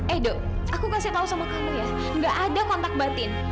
edo aku kasih tau sama kami ya nggak ada kontak batin